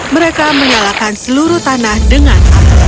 mereka menyalakan seluruh tanah dengan